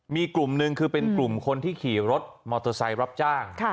มีกลุ่มหนึ่งคือเป็นกลุ่มคนที่ขี่รถมอเตอร์ไซค์รับจ้าง